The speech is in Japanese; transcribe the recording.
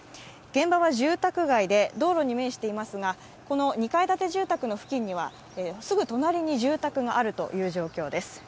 現場は住宅街で道路に面していますが、この２階建て住宅の付近には、すぐ隣に住宅がある状況です。